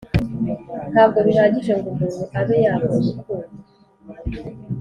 ntabwo bihagije ngo umuntu abe yagura urukundo